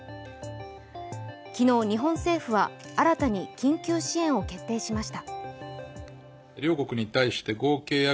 昨日、日本政府は新たに緊急支援を決定しました。